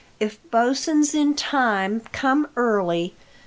If Bosin's in time, come early.